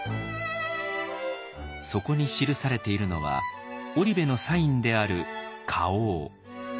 底に記されているのは織部のサインである花押。